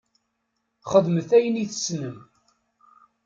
Xedmet ayen i tessnem.